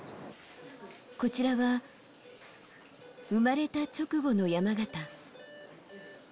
こちらは、生まれた直後の山縣。